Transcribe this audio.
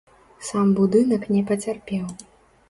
Сам будынак не пацярпеў.